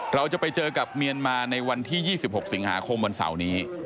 เราจะไปเจอกับเมียนมาในวันที่๒๖สิงหาคมวันเสาร์นี้